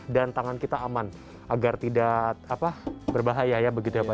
dan tangan kita aman agar tidak berbahaya ya begitu ya pak